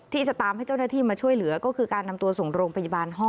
ที่จะตามให้เจ้าหน้าที่มาช่วยเหลือก็คือการนำตัวส่งโรงพยาบาลฮ่อ